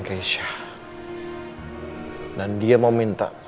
keisha hai dan dia mau minta